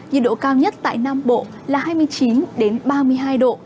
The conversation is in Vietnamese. nhiệt độ cao nhất tại nam bộ là hai mươi chín ba mươi hai độ